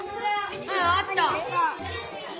うんあった。